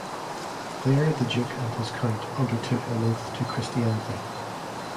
There the Duke and his court undertook an oath to Christianity.